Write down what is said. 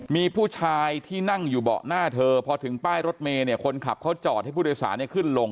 มีผู้ชายที่นั่งอยู่เบาะหน้าเธอพอถึงป้ายรถเมย์เนี่ยคนขับเขาจอดให้ผู้โดยสารขึ้นลง